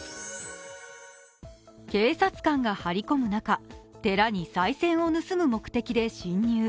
警察官が張り込む中、寺にさい銭を盗む目的で侵入。